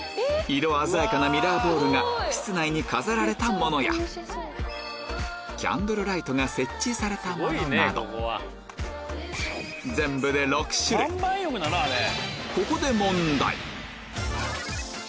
色鮮やかなミラーボールが室内に飾られたものやキャンドルライトが設置されたものなどここでいってらっしゃい！